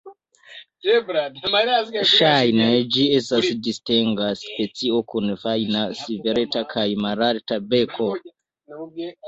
Ŝajne ĝi estis distinga specio, kun fajna, svelta kaj malalta beko.